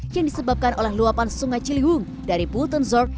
yang disebabkan oleh luapan sungai ciliwung dari bulton zorg